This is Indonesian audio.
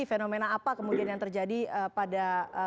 fenomena apa kemudian yang terjadi pada